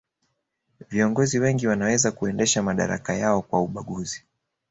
viongozi wengi wanaweza kuendesha madaraka yao kwa ubaguzi